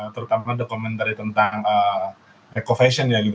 terutama dokumentari tentang eco fashion ya gitu